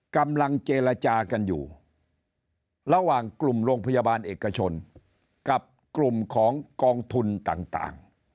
กำลังเจรจากันอยู่ระหว่างกลุ่มโรงพยาบาลเอกชนกับกลุ่มของกองทุนต่าง